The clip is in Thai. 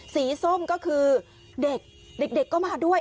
ส้มก็คือเด็กเด็กก็มาด้วย